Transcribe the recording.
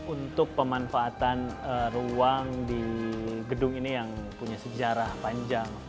untuk pemanfaatan ruang di gedung ini yang punya sejarah panjang